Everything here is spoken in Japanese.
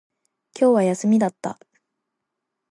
今日は休みだった